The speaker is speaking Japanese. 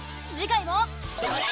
次回も。